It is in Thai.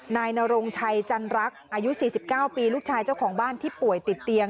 นายนรงชัยจันรักอายุ๔๙ปีลูกชายเจ้าของบ้านที่ป่วยติดเตียง